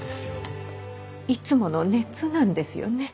いつもの熱なんですよね？